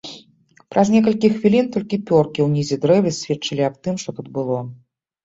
Праз некалькі хвілін толькі пёркі ў нізе дрэва сведчылі аб тым, што тут было.